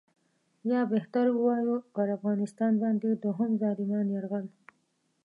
یا بهتر ووایو پر افغانستان باندې دوهم ظالمانه یرغل.